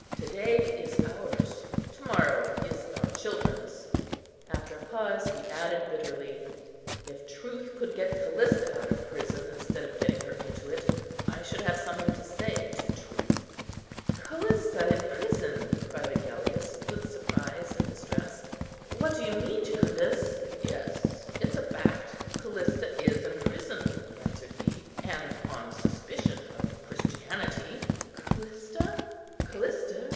To day is ours, to morrow is our children's." After a pause, he added, bitterly, "If truth could get Callista out of prison, instead of getting her into it, I should have something to say to truth." "Callista in prison!" cried Agellius with surprise and distress, "what do you mean, Jucundus?" "Yes, it's a fact; Callista is in prison," answered he, "and on suspicion of Christianity." "Callista!